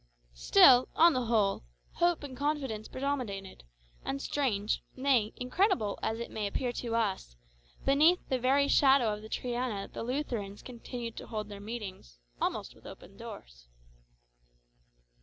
Still, on the whole, hope and confidence predominated; and strange, nay, incredible as it may appear to us, beneath the very shadow of the Triana the Lutherans continued to hold their meetings "almost with open doors."